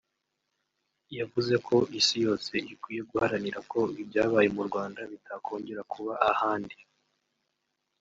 yavuze ko isi yose ikwiye guharanira ko ibyabaye mu Rwanda bitakongera kuba ahandi